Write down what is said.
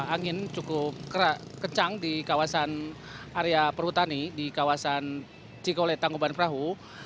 angin cukup kecang di kawasan area perutani di kawasan cikole tanggoban perahu